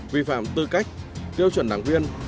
vi phạm tư cách tiêu chuẩn đảng viên